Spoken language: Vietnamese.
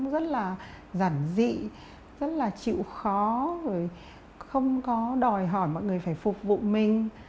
rất là giản dị rất là chịu khó rồi không có đòi hỏi mọi người phải phục vụ mình